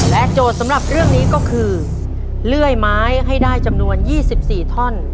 โจทย์สำหรับเรื่องนี้ก็คือเลื่อยไม้ให้ได้จำนวน๒๔ท่อน